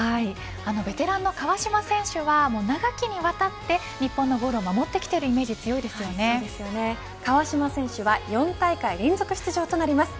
ベテランの川島選手は長きにわたって日本のゴールを守ってきている川島選手は４大会連続出場となります。